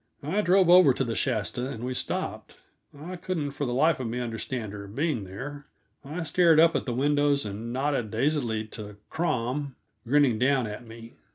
I drove over to the Shasta, and we stopped. I couldn't for the life of me understand her being, there. I stared up at the windows, and nodded dazedly to Crom, grinning down at me.